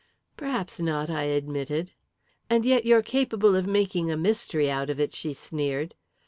"Perhaps not," I admitted. "And yet you're capable of making a mystery out of it!" she sneered.